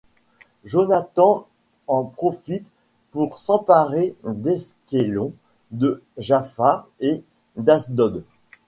Jonathan en profite pour s'emparer d'Ashkelon, de Jaffa et d'Ashdod.